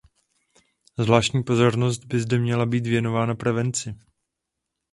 Zvláštní pozornost by zde měla být věnována prevenci.